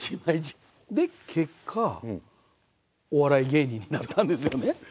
で結果お笑い芸人になったんですよね。